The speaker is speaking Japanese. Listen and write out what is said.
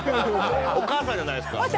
お母さんじゃないですか。